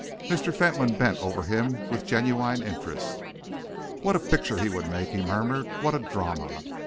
Mr. Fentolin bent over him with genuine interest. "What a picture he would make!" he murmured. "What a drama!